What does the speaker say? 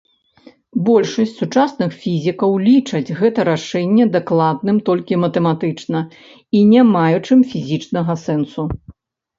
Большасць сучасных фізікаў лічаць гэта рашэнне дакладным толькі матэматычна і не маючым фізічнага сэнсу.